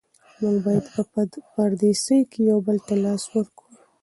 موږ باید په پردیسۍ کې یو بل ته لاس ورکړو.